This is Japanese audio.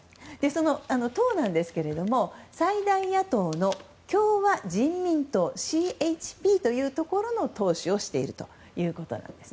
その党ですが最大野党の共和人民党・ＣＨＰというところの党首をしているということなんです。